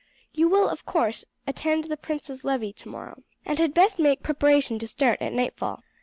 You will, of course, attend the prince's levee tomorrow, and had best make preparation to start at nightfall."